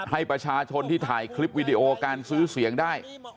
ให้ประชาชนที่ถ่ายคลิปวิดีโอการซื้อเสียงได้